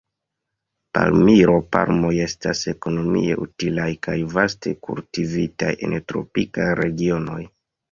Palmiro-palmoj estas ekonomie utilaj, kaj vaste kultivitaj en tropikaj regionoj.